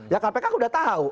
ya kpk aku udah tahu